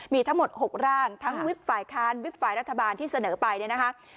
มีทั้งหมด๖ร่างทั้งวิบฝ่ายค้านวิบฝ่ายรัฐบาลที่เสนอไปเนี่ยนะคะ